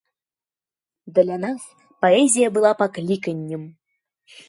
Для нас паэзія была пакліканнем.